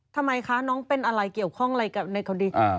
ทำไมคะน้องเป็นอะไรเกี่ยวข้องอะไรกับในคดี